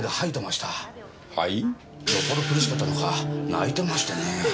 よっぽど苦しかったのか泣いてましてね。